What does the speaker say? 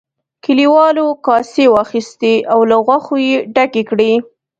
کليوالو کاسې واخیستې او له غوښو یې ډکې کړې.